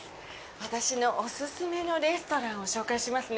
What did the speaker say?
私のお勧めのレストランを紹介しますね。